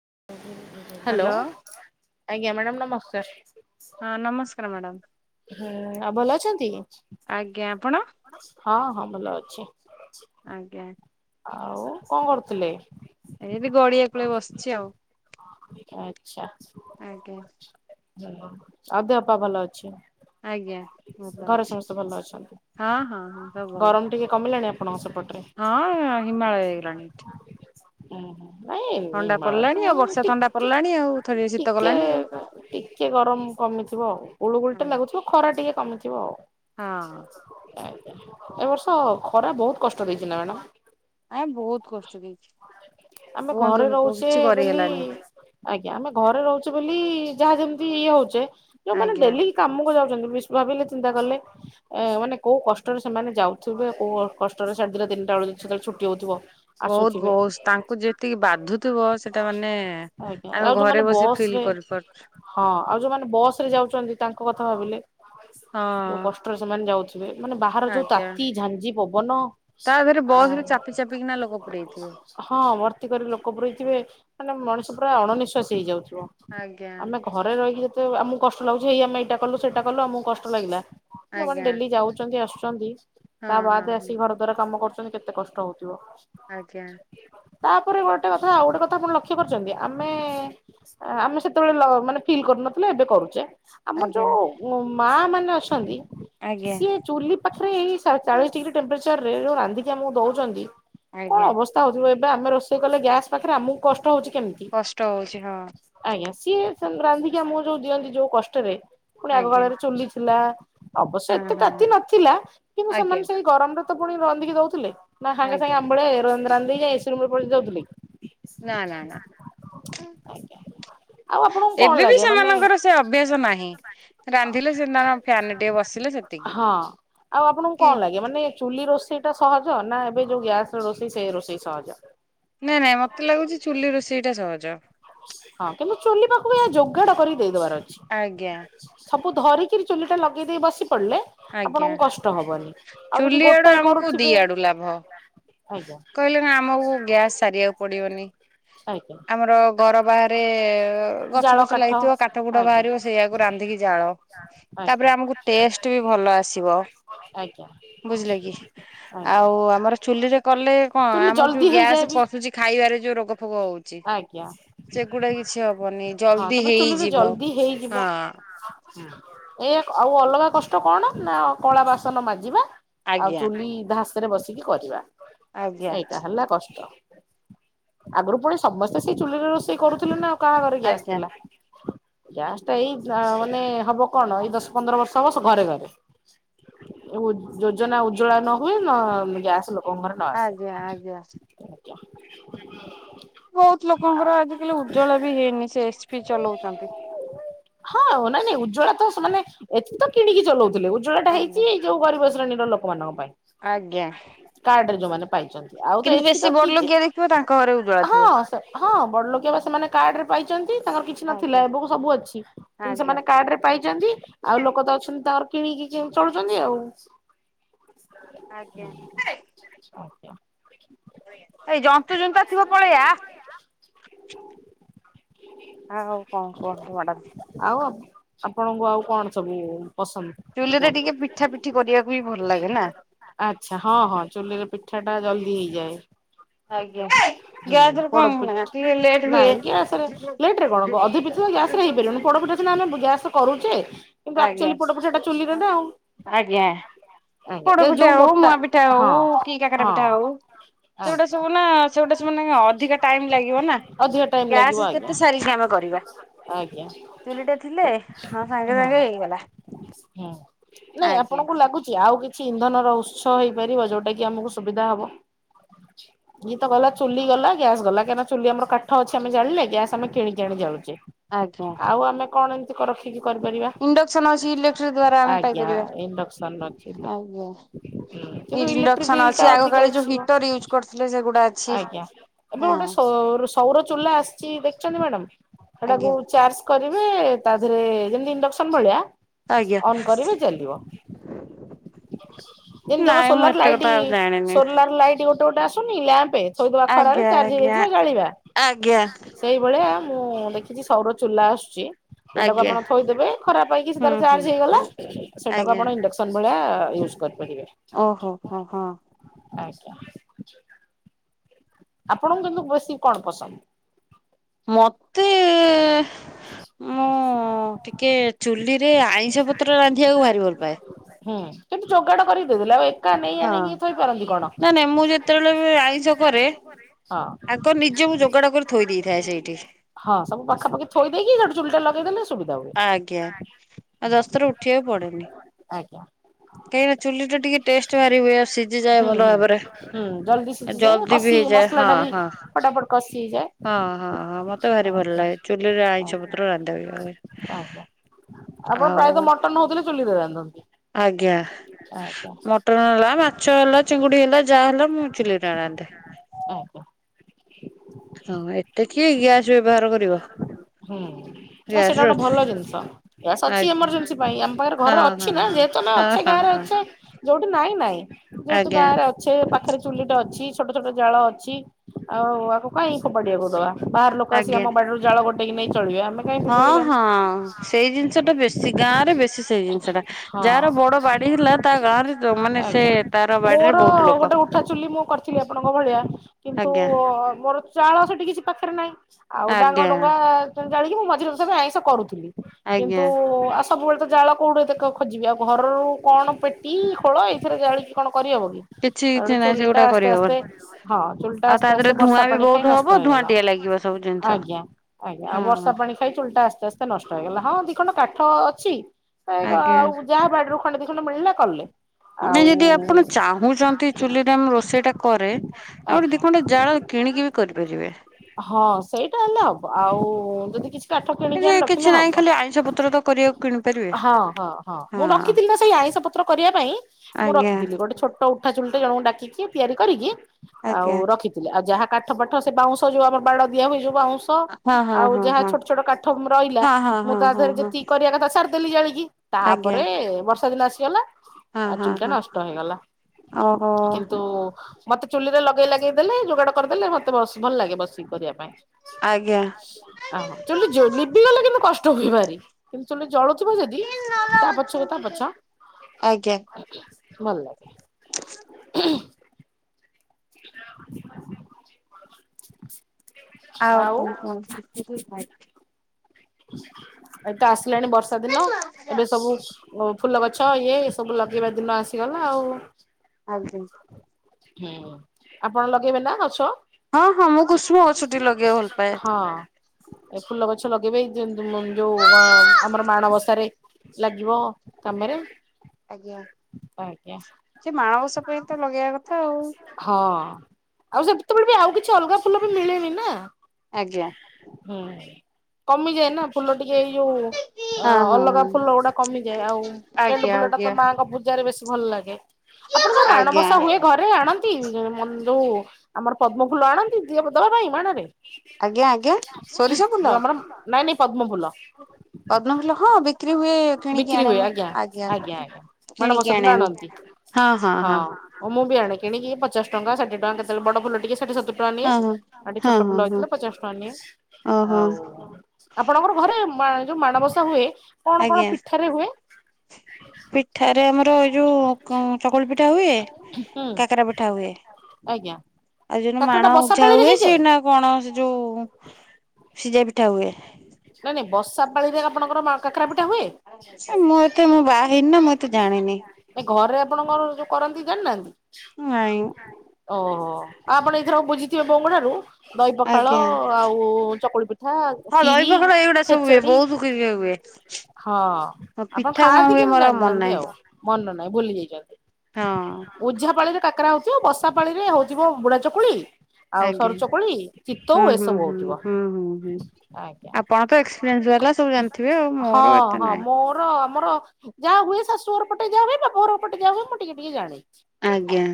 [inaudible] Hello. ଆଜ୍ଞା madam ହଁ madam ନମସ୍କାର। ହୁଁ ଆଉ ଭଲ ଅଛନ୍ତି। ଆଜ୍ଞା ଆପଣ [inaudible] ହଁ ହଁ ଭଲ ଅଛି। ଆଜ୍ଞା। ଆଉ କଣ କରୁଥିଲେ। ଏଇଠି ଗଡି ଏକୁଳି ବସିଛି ଆଉ ଆଛା। ଆଜ୍ଞା ଆଉ ଦେହ ପା ଭଲ ଅଛି। ଆଜ୍ଞା ଭଲ ଘରେ ଅଛି। ସମସ୍ତେ ଭଲ ଅଛନ୍ତି? ହଁ ହଁ ସବୁ ଭଲ। ଣ ସେ ହଁ ହ ହିମାଳୟ ହେଇଗଲାଣି ଏଠି। ହୁଁ ହୁଁ। ନାଇଁ ଥଣ୍ଡା ନିର୍ମଳ ତ ପଡ଼ିଲାଣି ଆଉ ହେଇନି ବର୍ଷା ଥଣ୍ଡା ଟିକେ ପଡିଲାଣି ଆଉ ଥରେ ଶୀତ ଟିକେ ଗଲାଣି ଆଉ ଟିକେ ଗରମ କମିଥିବ ଗୁଳୁଗୁଲି ଟା ଲାଗୁଥିବ ଖରା ଟିକେ ଟିକେ କମିଥିବ ଆଉ। ହଁ। ଏ ବର୍ଷ ଖରା ବହୁତ କଷ୍ଟ ଦେଇଛି ନା ମ୍ୟାଡାମ୍? ଆଜ୍ଞା ବହୁତ କଷ୍ଟ ଦେଇଛି। ଆମେ ଘରେ କୁହନ୍ତୁନି ପୁଅ ରହୁଚେ କିଛି ବୋଲି କରିହେଲାନି ଆଜ୍ଞା ଆମେ ଘରେ ରହୁଛେ ବେଲି। ଯାହା ଯେମିତି ଇଏ ହଉଛେ। ଯୋଉମାନେ ଆଜ୍ଞା ଡେଲି କାମକୁ ଯାଉଚନ୍ତି। ଭାବିଲେ ଚିନ୍ତା କଲେ ଏ ମାନେ କୋଉ କଷ୍ଟରେ ସେମାନେ ଯାଉଥିବେ କୋଉ କଷ୍ଟରେ ସାଡେ ଦିଟା ତିନିଟା ବେଳକୁ ଯେତେବେଳେ ଛୁଟି ହଉଥିବ। ବହୁତ ଆସୁଥିବେ ବହୁତ। ତାଙ୍କୁ ଯେତିକି ବାଧୁଥିବ ସେଟା ମାନେ ଆଜ୍ଞା ଆମେ ଆଉ ଯୋଉମାନେ ଘରେ ବସି ବସ ଫିଲ୍ ରେ କରିପାରୁଛୁ। ଙ୍କ କଥା ଭାବିଲେ। ଯୋଉ ହଁ କଷ୍ଟରେ ସେମାନେ ଯାଉଛ ମାନେ ବାହାର ଯୋଉ ଆଜ୍ଞା ତାତି ଝାଞ୍ଜି ପବନ ତା ଦେହରେ ଆ। ବସ ରେ ଚାପି ଚାପିକିନା ଲୋକ ପୁରେଇଥିବେ ହଁ ଭର୍ତ୍ତି କରି ଲୋକ ପୁରୀଇ ଥିବେ ମାନେ ମଣିଷ ପୁରା ଅଣନିଶ୍ଵାସ ହେଇଯାଉଥି ବ ଆଜ୍ଞା ଆମେ ଘରେ ରହିକି ଯେ ସେ ଆମକୁ କଷ୍ଟ ଲାଗୁଛି ହେଇ ଆମେ ଏଇଟା କଲୁ ସେଇଟା କଲୁ ଆମକୁ କଷ୍ଟ ଲାଗିଲା। ଯୋଉ ମାନେ ଆଜ୍ଞା ଡେଲି ଯାଉଛନ୍ତି ଆସୁ ଚନ୍ତି। ହଁ ତା ହଁ ବାଦ ହଁ ଆସିିକି ଘର ଦ୍ୱାର କାମ କରୁ ଛନ୍ତି କେତେ କଷ୍ଟ ହଉଥି ଆଜ୍ଞା। [unintelligible] ତାପରେ ଗୋଟେ କଥା ଆଉ ଗୋଟେ କଥା ଆପଣ ଲକ୍ଷ୍ୟ କରିଛନ୍ତି ଆମେ ଆମେ ସେତେବେଳେ ମାନେ ଫିଲ୍ କରୁନଥିଲେ ଏବେ କରୁଛେ ଆମର ଆଜ୍ଞା ଯୋଉଁ ମା ମାନେ ଅଛନ୍ତି। ଆଜ୍ଞା ସିଏ ଚୁଲି [inaudible] ଚାଳିଶ ଡି୍ଗ୍ରି ଟେମ୍ପେ ରେ ଯୋଉ ରାନ୍ଧିକି ଆମକୁ ଦଉଛନ୍ତି। କଣ ଆଜ୍ଞା। ଅବସ୍ଥା ହଉଥିବ ଏବେ ଆମେ ରୋଷେଇ କଲେ ଗ୍ୟାସ୍ ପାଖରେ ଆମକୁ କଷ୍ଟ ରହୁଛି କେମିତି କଷ୍ଟ ହଉଛି ହଁ ଆଜ୍ଞା ସିଏ ସେ ରାନ୍ଧିକି ଆମକୁ ଯୋଉ ଦିଅନ୍ତି ଯୋଉ କଷ୍ଟରେ ପୁଣି ଆଗ ଆଜ୍ଞା। କାଳରେ ଚଲିଥିଲା ଅବଶ୍ୟ ହଁ ଏତେ ହଁ ତାତି ହଁ ନଥିଲା କିନ୍ତୁ ଆଜ୍ଞା ସେମାନେ ସେଇ ଗରମ [inaudible] ପୁଣି ରନ୍ଧିକି ଦଉଥିଲେ। ନାଁ ସାଙ୍ଗେ ଆଜ୍ଞା ସାଙ୍ଗେ ଆମେ ଏ ର [inaudible] ଯାଉଥିଲେ କି। ନାଁ ନାଁ ନାଁ ଆଉ ଆପଣଙ୍କୁ କଣ ଏବେ ବି ଲାଗେ ମାନେ ସେମାନଙ୍କର ସେ ଅଭ୍ୟାସ ନାହିଁ ରାନ୍ଧିଲେ ସେ ଫ୍ୟାନ ଟିକେ ବସିଲେ ସେତିକି ହଁ। କି। ସେଇଟା ସହଜ ନାଁ ଏବେ ଯୋଉ ଗ୍ୟାସ ରୋଷେଇ ସେ ରୋଷେଇ ସହଜ ନାଇଁ ନାଇଁ ମତେ ଲାଗୁଛି ଚୁଲି ରୋଷେଇ ଟା ସହଜ। ହଁ କିନ୍ତୁ ଚୁଲି ପାଖକୁ [inaudible] ଆଜ୍ଞା। ସବୁ ଧରିକିରି ଚୁଲିଟା ଲଗେଇ ଦେଇେଇ ବସି [inaudible] ଆଜ୍ଞା ଆପଣଙ୍କୁ କଷ୍ଟ ହବନି ଆଉ ଯଦି ଚୁଲି ଆଡୁ ଗୋଟାଏ ଆମକୁ ଦି କରୁଥିବେ ଆଡୁ ଲାଭ। ଆଜ୍ଞା। କହିଲେ ଆମକୁ ଗ୍ୟାସ ସାରିବାକୁ ପଡିବନି ଆଜ୍ଞା ଆମର ଘର ବାହାରେ ଗଛ ଜାଳ ଫଛ କାଠ ଲାଗିଥିବ କାଠ ଗୁଡ ଆଜ୍ଞା ବାହାରିବ ସେଇଆକୁ ରାନ୍ଧିକି ଜାଳ ତାପରେ ଆଜ୍ଞା ଆମକୁ ଟେଷ୍ଟ ଭଲ ଆସିବ ଆଜ୍ଞା ବୁଝିଲେ କି ଆଜ୍ଞା। ଆଉ ଆମର ଚୁଲିରେ କଲେ କଣ ଚୁଲି ଯୋଉ ଜଲ୍ଦି ହେଇଯାଏ ଗ୍ୟାସ ବି ପଶୁଛି ଖାଇବାରେ ଯୋଉ ରୋଗ ଫୋଗ ହଉଛି ଆଜ୍ଞା ସେଗୁଡା କିଛି ହବନି ହଁ ଜଲଦି ତାପରେ ହେଇଯିବ ହଁ। ଏଇ ଆଉ ଅଲଗା କଷ୍ଟ କଣ ନା କଳା ବାସନ ମାଜିବା ଆଉ ଆଜ୍ଞା ଚୁଲି ଧାସ ରେ ବସିକି କରିବା। ଆଜ୍ଞା ଏଇଟା ହେଲା କଷ୍ଟ। ଆଗରୁ ପୁଣି ସମସ୍ତେ ସେଇ ଚୁଲିରେ ରୋଷେଇ କରୁଥିଲେ ନାଉ କାହା ଘରେ ଗ୍ୟାସ ଆଜ୍ଞା ଥିଲା? ଗ୍ୟାସ ଟା ଏଇ ମାନେ ହବ କଣ ଏଇ ଦଶ ପନ୍ଦର ବର୍ଷ ହବ ଘରେ ଘରେ ଏ ଯୋଜନା ଉଜ୍ଜଳା ନ ହୁଏ ନ ଗ୍ୟାସ ଲ ଉମର ନ ଆସେ। ଆଜ୍ଞା ଆଜ୍ଞା [inaudible] ବହୁତ ଲୋକଙ୍କର ଆଜି କାଲି ଉଜ୍ଜଳା ବି ହେଇନି ସେ ଏସ ପି ଚଲଉଛନ୍ତି। ହଁ ନାଇଁ ନାଇଁ ଉଜ୍ଜଳା ତ ମାନେ ଏଥିି ତ କିଣିକି ଚଲୋ ଉଜ୍ଜଳା ଟା ଆଜ୍ଞା ହେଇଛି ଏଇ ଯୋ ଗରିବ ଶ୍ରେଣୀର ଲୋକମାନଙ୍କ ପାଇଁ। ଆଜ୍ଞା [unintelligible] ମାନେ ପାଇଛନ୍ତି ଆଉ ତ କିନ୍ତୁ ଏଚ୍ ପି ତ ବେଶୀ କି ବଡ ଲୋକିଆ ଦେଖିବ ତାଙ୍କ ଘରେ ଉଜ୍ଜଳା ହଁ ଥିବ। ହଁ ବଡ଼ ଲୋକିଆ ବା ସେମାନେ କାର୍ଡ ରେ ପାଇଛନ୍ତି। ତାଙ୍କର କିଛି ନଥିଲା। ଆଜ୍ଞା ଏବ କୁ ସବୁ ଅଛି ଆଜ୍ଞା ସେମାନେ କାର୍ଡ ରେ ପାଇ ଛନ୍ତି ଆଉ ଲୋକ ତ ଅଛନ୍ତି ତାଙ୍କର କିଣିକି ଚଳୁଛନ୍ତି ଆଉ [inaudible] ଆଜ୍ଞା ହଁ ୟା ଏଇ ଜନ୍ତୁ ଜୁନ୍ତା ଥିବ ପଳେୟା। ହଁ ହଉ କଣ କୁହ [unintelligible] ଆଉ ଆପଣଙ୍କୁ ଆଉ କଣ ସବୁ ପସନ୍ଦ ଚୁଲିରେ କୁହନ୍ତୁ ଟିକେ ପିଠା ପିଠି କରିବାକୁ ବି ଭଲ ଲାଗେ ନା ଆଛା ହଁ ହଁ ଚୁଲିରେ ପି ପା ଜଲଦି ହେଇଯାଏ। ଆଜ୍ଞା। ହୁଁ ଗ୍ୟାସରେ ପୋଡପିଠ କଣ ନା ଟିକେ ଲେଟ୍ ହୁଏ ନାଇଁ ଗ୍ୟାସ ରେ ଲେଟ ରେ କଣ ଅଧେ ପିଠା ଗ୍ୟାସ ରେ ହେଇପାରିବନି ପୋଡପିଠା ସିନା ଆମେ ଗ୍ୟାସରେ କରୁଛେ କିନ୍ତୁ ଆଜ୍ଞା। ଆକଚୁଆଲି ପୋଡପିଠା ଟା ଚୁଲି ରେ ନା ଆଉ ଆଜ୍ଞା ପୋଡ ଯେ ଯୋଉ ପିଠା ହଉ ମୋଟା ମୁୂଆ ପିଠା ହଁ ହଉ କି କାକରା ପିଠା ହଁ ହଉ ସେଇଗୁଡା ଆଜ୍ଞା ସବୁ ନା ସେଗୁଡା ସବୁ ନା କଣ ଅଧିକ ଟାଇମ୍ ଲାଗିବ ନା ଅଧିକ ଟାଇମ ଲାଗିବ ଗ୍ୟାସ୍ ଆଜ୍ଞା କେତେ ସାରିକି ଆମେ କରିବା ଆଜ୍ଞା ଚୁଲିଟା ଥିଲେ ହଁ ସାଙ୍ଗେ ହୁଁ ସାଙ୍ଗେ ହେଇଗଲା। ହୁଁ। ନାଇଁ ଆଜ୍ଞା ଆପଣଙ୍କୁ ଲାଗୁଛି ଆଉ କି କିଛି ଇନ୍ଧନ ର ଉତ୍ସ ହେଇପାରିବ ଯୋଉଟା କିି ଆମକୁ ସୁବିଧା ହବ ଇଏ ତ ଗଲା ଚୁଲି ଗଲା ଗ୍ୟାସ୍ ଗଲା କାହିଁକିନା ଚୁଲି ଆମର କାଠ ଅଛି ଆମେ ଜାଣିଲେ ଗ୍ୟାସ୍ ଆମେ କିଣିକି ଆଣି ଜାଳୁଚେ। ଆଉ ଆମେ କଣ ଏମିତି କର ରଖିକି? କରିପାରିବା ଇଣ୍ଡକ୍ସନ୍ ଅଛି ଇଲେକ୍ଟ୍ରିକ୍ ଦ୍ୱାରା ଆମେ ଆଜ୍ଞା ପାଇପାରିବା। ଇଣ୍ଡକ୍ସନ ଅଛି। ଆଜ୍ଞା, ଇଣ୍ଡକ୍ସନ୍ ଅଛ ତ ଅଧିକ ଆସିବ, ଅଛି ଆଜ୍ଞା ଏବେ ହଁ। ଗୋଟେ ସୌର୍ ସୌର ଚୁଲା ଆସିଚି ଦେଖିଛନ୍ତି ମ୍ୟାଡ଼ାମ୍? ସେଟାକୁ ଆଜ୍ଞା ଚାର୍ଜ କରି ଏ ତା ଦେହରେ ଯେମିତି ଇଣ୍ଡକ୍ସନ ଭଳିଆ ଆଜ୍ଞା ଅନ୍ କରିବେ ଚାଲିବ। ଯେମିତି ଆମ ନାଇଁ ମୁଁ ସୋଲାର ଏତେ କଥା ଲାଇଟି ଆଉ ଜାଣିନି। ସୋଲାର ଲାଇଟ୍ ଗୋ ତୋଟା ଆସୁନି ଲ୍ୟାମ୍ପେ ଥୋଇଦବା ଖରାରେ ଆଜ୍ଞା ଚାର୍ଜ ଆଜ୍ଞା ହେଇଯିବ ଜାଳିବା। ଆଜ୍ଞା ସେଇଭଳିଆ ମୁଁ ଦେଖିଚି ସୌର ଚୁଲା ଆସୁଚି। ଯୋଉଟାକୁ ଆଜ୍ଞା ଆପଣ ଥୋଇଦେବେ ଖରା ପାଇକି ସେ ହୁଁ ତାର ହୁଁ ଚାର୍ଜ ହେଇଗଲା। ସେଟାକୁ ଆଜ୍ଞା। ଆପଣ ଇଣ୍ଡକ୍ସନ୍ କଡା ୟୁଜ୍ କର ଓହୋ ହଁ, ହଁ। ଆଜ୍ଞା। ଆପଣଙ୍କୁ କିନ୍ତୁ ବେଶୀ କଣ ପସନ୍ଦ? ମୋତେ ମୁଁ ଟିକେ ଚୁଲିରେ ଆଇଁଷ ପତ୍ର ରାନ୍ଧିବାକୁ ଭାରି ଭଲ ପାଏ। ହୁଁ କିନ୍ତୁ ଯୋଗାଡ କରିକି ଦେଇଦେଲେ ଆଉ ଏ ହଁ ନା ନାଇଁ ମୁଁ ଯେତେବେଳେ ବି ଆଇଁଷ କରେ ହଁ। ଆଗ ନିଜକୁ ଯୋଗାଡ କରି ଥୋଇ ଦେଇଥାଏ ସେଇଠି। ହଁ ସବୁ ପାଖାପାଖି ଥୋଇ ଦେଇକି ସେଠୁ ଚୁଲିଟା ଲଗେଇଦେଲେ ସୁବିଧା ହୁଏ ଆଜ୍ଞା ଆଉ ଦଶଥର ଉଠିବାକୁ ପଡେନି। ଆଜ୍ଞା। କାହିଁକିନା ଚୁଲି ଟା ଟିକେ ଟେଷ୍ଟ ବାହାରି ହୁଏ। ଆଉ ସିଜିଯାଏ ହୁଁ ଭଲ ହୁଁ। ଭାବରେ। ହୁଁ ଜଲ୍ଦି ଆଉ ସିଝିଯାଏ ଜଲଦି ବି କଷି ହେଇଯାଏ। ମସଲା ହଁ, ଟା ବି ହଁ ଫଟାଫଟ କଷି ହେଇଯାଏ ହଁ, ହଁ, ହଁ ମୋତେ ଭାରି ଭଲ ଆଜ୍ଞା। ଲାଗେ। ଚୁଲିରେ ଆଜ୍ଞା ଆଇଁଷ ପତ୍ର ରାନ୍ଧିବା ପାଇଁ ଆମେ। ଆଜ୍ଞା। ଆଉ କନ୍ତି ଆଜ୍ଞା ମଟନ୍ ହେଲା, ମାଛ ହେଲା, ଚିଙ୍ଗୁଡି ହେଲା, ଯାହା ହେଲା ମୁଁ ଚୁଲିରେ ରାନ୍ଧେ। ଆଜ୍ଞା, ହଁ ଏତେ କିଏ ଗ୍ୟାସ ବ୍ୟବହାର କରିବ ହୁଁ ନା ଗ୍ୟାସ ସେଟା ଗୋଟେ ଅଛି ଭଲ ଜିନିଷ। ଗ୍ୟାସ୍ ଅଛି ଆଜ୍ଞା ଏମର୍ଜେନ୍ସି ପାଇଁ ଆମ ପାଖରେ ହଁ ଘର ଅଛି ହଁ ନା ହଁ। ଏଖନ ହଁ ଅଛେ ହଁ ଗାଁରେ ହଁ ଅଛେ ଯୋଉଠି ନାଇଁ ନାଇଁ ଯେହେତୁ ଆଜ୍ଞା ଗାଁରେ ଅଛେ। ପାଖରେ ଚୁଲିଟା ଅଛି। ଛୋଟ ଛୋଟ ଜାଳ ଅଛି ଆଉ ଆକୁ କାଇଁ ଫୋପାଡ଼ିବାକୁ ଦବା। ବାହାର ଲୋକ ଆସି ଆଜ୍ଞା। ଆମ ବାଡିରୁ ଜାଳ ଗୋ ଟେକି ନେଇଚି। ହଁ ହଁ ସେଇ ଜିନିଷଟା ବେଶୀ ଗାଁ ରେ ବେଶୀ ସେଇ ଜିନିଷଟା ହଁ। ଯାହାର ବଡ ବାଡି ହେଲା ତା ଗାଁରେ ତ ମାନେ ସେ ଆଜ୍ଞା ତାର ବାଡିରେ ବହୁତ ଲୋକ। ତାଙ୍କ ଭଳିଆ କିନ୍ତୁ ଆଜ୍ଞା ଅ, ମୋର ଚାଳ ସେଠି କିଛି ପାଖରେ ନାହିଁ। ଆଉ ଡାଙ୍ଗ ଆଜ୍ଞା ଡୁଙ୍ଗା ଜାଣିକି ମୁଁ ମଝିରେ ସରେ ଆଇଁଷ କରୁଥିଲି। ଆଜ୍ଞା କିନ୍ତୁ ସବୁବେଳେ ତ ଜାଳ କୋଉଠୁ ଏତେ ଖୋଜିବି ଆଉ ଘରରୁ କଣ ପେଟି ଖୋଳ ଏଇଥିରେ ଜାଳିକି କଣ କରିହବ କି? କିଛି ଏଡ଼େ କିଛି ନାହିଁ ଚୁଲି ଟା ସେଗୁଡା ଆସ୍ତେ ଆସ୍ତେ କରିହବନି। ହଁ ଚୁଲଟା ଆଉ ତା ଆସ୍ତେ ଆସ୍ତେ ଦେହରେ ବର୍ଷା ଧୂଆଁ ବି ପାଣି ଖାଇ ବହୁତ ନଷ୍ଟ ହବ ହେଇଗଲା। ଧୂଆଁଟିଆ ଲାଗିବ ସବୁ ଜିନିଷ ଆଜ୍ଞା ଆଜ୍ଞା ଆଉ ହଁ ବର୍ଷା ପାଣି ଖାଇ ଚୁଲଟା ଆସ୍ତେ ଆସ୍ତେ ନଷ୍ଟ ହେଇଗଲା। ହଁ ଦି ଖଣ୍ଡ କାଠ ଅଛି? ଆଜ୍ଞା। ଆଉ ଯାହା ବାଡ ରୁ ଖଣ୍ଡେ ଦି ଖଣ୍ଡ ମିଳିଲା କଲେ। ନାଇ ଆଉ ଯଦି ଆପଣ ଚାହୁଁଛନ୍ତି ଚୁଲିରେ ଆମେ ରୋଷେଇ ଟା କର ପରେ ଆଉରି ଆଜ୍ଞା। ଦି ଖଣ୍ଡ ଜାଳ କିଣିକି ବି କରିପାରିବେ। ହଁ ସେଇ। ହବ ଆଉ ଯଦି କିଛି କାଠ କିଣିକି ଯେ ଆଣି ରଖିଲେ କିଛି ନାହିଁ ହବ। ଖାଲି ଆଇଁଷ ପତ୍ର ତ କରିବାକୁ କିଣିପାରିବେ ହଁ ହଁ ହଁ ମୁଁ ରଖିଥିଲି ନା ସେଇ ଆଇଁଷ ପତ୍ର କରିବା ପାଇଁ ମୁଁ ଆଜ୍ଞା ରଖିଥିଲି ଗୋଟେ ଛୋଟ ଉଠା ଚୁଲିଟେ ଜଣକୁ ଡାକିଚି ତିଆରି କରିକି ଆଉ ଆଜ୍ଞା ରଖିଥିଲି ଆଉ ଯାହା କାଠ ଫାଟ ସେ ବାଉ ସ ଆମର ବାଡ଼ ଦିଆହୁଏ ବାଉଁଶ ହଁ ହଁ ହଁ ଯାହା ଛୋଟ ଛୋଟ କାଠ ରହିଲା ହଁ ହଁ ମୁଁ ହଁ ତା ହଁ ହଁ ଦେରେ ଯେତିକି ହଁ କରିବା କଥା ଚୁଲି ଜାଳିକି? ଆଜ୍ଞା ତାପରେ ବର୍ଷ [inaudible] ଆସିଗଲା ହଁ ଆ ହଁ ଚୁଲିଟା ହଁ ନଷ୍ଟ ହେଇଗଲା ଓହୋ କିନ୍ତୁ ମତେ ଚୁଲିରେ ଲଗେଇ ଲଗେଇ ଦେଲେ ଯୋଗାଡ଼ କରିଦେଲେ ମତେ ବସ ଭଲ ଲାଗେ ବସିକି କରିବା ପାଇଁ। ଆଜ୍ଞା ଚୁଲି ଲିଭି ଗଲେ କଷ୍ଟ ହୁଏ ଭାରି। [inaudible] ଜଳୁ ଥିବ ଯଦି ତା ପଛ ତା ପଛ ଆଜ୍ଞା ଭଲ [inaudible] [inaudible] [inaudible] ଆଉ [inaudible] [inaudible] ଏତ ଆସିଲାଣି ବର୍ଷା ଦିନ ଏବେ ଆଜ୍ଞା ସବୁ ଉ ଫୁଲ ଗଛ ଇଏ ସବୁ ଲଗେଇବା ଦିନ ଆସିଗଲା ଆଉ। ଆ [unintelligible] ହୁଁ ଆପଣ ଲଗେଇବେ ନା ଗଛ? ହଁ ହଁ ମୁଁ କୁଷ୍ମ ଗଛଟି ଲଗେଇବା ଭଲ ପାଏ। ହଁ ଏ ଫୁଲ ଗଛ ଲ କେବେ [unintelligible] ଯୋଉ ଅ ଆମର ମାଣବସାରେ ଲାଗିବ କାମରେ। ଆଜ୍ଞା ଆଜ୍ଞା ସେ ମାଣବସ ପାଇଁ ତ ଲଗେଇବା କଥା ଆଉ। ହଁ ଆଉ ସେତେବେଳେ ବି ଆଉ କିଛି ଅଲଗା ଫୁଲ ବି ମିଳେନି ନା। ଆଜ୍ଞା। ହୁଁ। କମିଯାଏ ନା ଫୁଲ ଟିକେ ଏଇ ଯୋଉ ହଁ ହଁ ଅଲଗା ହଁ। ଫୁଲ ଗୋଟା କମିଯାଏ। ଆଉ ଗେଣ୍ଡୁ ଆଜ୍ଞା ଫୁଲ ଟା ତ ଆଜ୍ଞା ମାଙ୍କ ପୁ ଜାରେ ବେଶୀ ଭଲ ଲାଗେ। ଆପଣ ଯୋଉ ଆଜ୍ଞା ମାଣବସା ହୁଏ ଘରେ ଆଣ ନ୍ତି ଯୋଉ ମ ଯୋଉଁ ଆମର ପଦ୍ମ ଫୁଲ ଆଣନ୍ତି [unintelligible] ପାଇଁ ମାଣ ରେ ଆଜ୍ଞା ଆଜ୍ଞା ସୋରିଷ ଫୁଲ? ଆମର ନାଇଁ ନାଇଁ ପଦ୍ମଫୁଲ। ପଦ୍ମ ଫୁଲ ହଁ ବିକ୍ରି ହୁଏ କିଣିକି ବିକ୍ରି ଆଣେ ହୁଏ ମୁଁ ଆଜ୍ଞା ଆଜ୍ଞା ଆଜ୍ଞା ମାଣବସା କିଣିକି ଦିନ ଆଣେ ମୁଁ ଆଣନ୍ତି ହଁ ହଁ ହଁ ମୁଁ ବି ଆଣେ କିଣିକି ପଚାଶ ଟଙ୍କା ଷାଠିଏ ଟଙ୍କା କେତେବେଳେ ବଡ଼ ଫୁଲ ଟିକେ ପଚାଶ ସତୁୁର ଟଙ୍କା ନିଏ। ହଁ ହଁ। ଆଉ ଟିକେ ହଁ ଛୋଟ ଫୁଲ ହଁ ହଁ ହେଇଥିଲେ ପଚାଶ ଟଙ୍କା ନିଏ ଓହୋ ଆଉ ଆପଣଙ୍କର ଘରେ ଯୋଉ ମାଣବସା ହୁଏ କଣ କଣ ଆଜ୍ଞା ପିଠାରେ ହୁଏ ପିଠାରେ ଆମର ଏଇ ଯୋଉ କ ଚକୁଳି ପିଠା ହୁଏ, ହୁଁ କାକରା ପିଠା ହୁଏ। ଆଜ୍ଞା ଆଉ ଯୋନ କାକରା ଟା ମାଣ ବସା ଉଝା ପାଳିରେ ହୁଏ ହେଇଯାଏ? ସେନା କଣ ସେ ଯୋଉ ସିଜାପି ନା ନାଇଁ ବସ୍ [unintelligible] ଆପଣଙ୍କର ମା କାକେରା ପିଠା ହୁଏ? ମୁଁ ଏତେ ମୋ ବାହାହେଇନି ନା ମୁଁ ଏତେ ଜାଣେନି। ଏ ଘରେ ଆପଣଙ୍କର ଯୋଉ କରନ୍ତି ଜାଣିନାହାନ୍ତି? ନାଇଁ। ଓହୋ ଆଉ ଆପଣ ଏଇଥର ବୁଜିିଥିବେ ବୋଉଙ୍କ ଠାରୁ ଦହି ପଖାଳ, ଆଜ୍ଞା। ଆଉ ଚକୁଳି କଥାା ହଁ ଦହି ପଖାଳ ଏଇଗୁଡା ସବୁ ହୁଏ ବହୁତ କି ହୁଏ। ହଁ ଆପଣ ପିଠା କଣ ଖାଆନ୍ତି ହୁଏ କିନ୍ତୁ ମୋର ଆଉ ମନ ଜାଣିନାହାନ୍ତି ନାହିଁ ମନ ଭୁଲି ଯାଇଚନ୍ତି। ହଁ। ଉଝାପାଳିରେ କା ହଉଥିବ ବର୍ଷା ପାଣି ରେ ହଉଥିବ ବୁଢା ଚକୁଳି ଆଉ ଆଜ୍ଞା ସରୁ ଚକୁଳି ହୁଁ ଚିତଉ ହୁଁ ଏସବୁ ହୁଁ ହଉଥିବ ହୁଁ ହୁଁ ହୁଁ ଆଜ୍ଞା। ଆପଣ ତ ଏକ୍ସପିରିଏସ ବାହାରିଲା ସବୁ ଜାଣିଥିବେ ଆଉ ହଁ ମୋର ଏତେ ହଁ ନାହିଁ ମୋର ଆମର ଯାହା ହୁଏ ଶାଶୁ ଘର ପଟେ ଯାଆ ହୁଏ ବାପଘର ପଟେ ଯାହା ହୁଏ ମୁଁ ଟିକେ ଟିକେ ଜାଣେ ଆଜ୍ଞା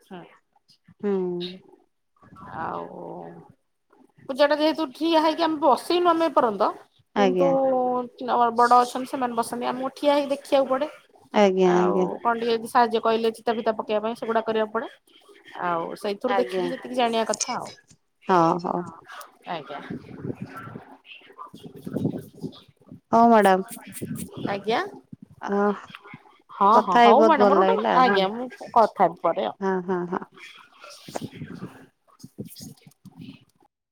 [inaudible] ହୁଁ ଆଉ ପୂଜା ଟା ଯେହେତୁ ଠିଆ ହେଇ ଆମେ ବସେଇ ନମେ [inaudible] କିନ୍ତୁ। ଆଜ୍ଞା ବଡ ଅଛନ୍ତି ସେମାନେ ବସନ୍ତି ଆଉ ମୁଁ ଠିଆ ହେଇକି ଦେଖିବାକୁ ପଡେ ଆଜ୍ଞା ଆଉ ଆଜ୍ଞା କଟିକିଏ ସାହାଯ୍ୟ କହିଲେ ଚିତା ଫିତା ପକେଇବା ପାଇଁ ସେଗୁଡା କରିବାକୁ ପଡେ ଆଉ ସେଇଥିରୁ ଆଜ୍ଞା ଦେଖିକି ଯେତିକି ଜାଣିବା କଥା ଆଉ ହଁ ହଉ ଆଜ୍ଞା। [inaudible] ହଁ ମ୍ୟାଡ଼ାମ୍। ଆଜ୍ଞା। ହଁ ହଁ କଥା ହେଇ ହଉ ବହୁତ ମ୍ୟାଡମ ଭଲ ମୋର ଗୋଟେ ଲାଗିଲା ହଁ ଆଜ୍ଞା ମୁଁ କଥା ହେବି ପରେ ଆଉ ହଁ ହଁ ହଁ। [inaudible]